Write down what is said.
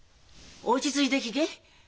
落ち着いて聞け。